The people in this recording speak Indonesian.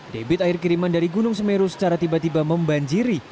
debit air kiriman dari gunung semeru secara tiba tiba membanjiri